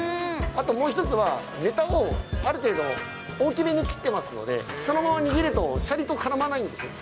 あともう１つは、ネタをある程度大きめに切っていますので、そのまま握るとシャリとからまないんです。